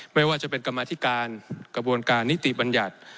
ไม่ว่าจะเป็นกรรมธิการกระบวนการนิติบัญญัติ